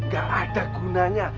gak ada gunanya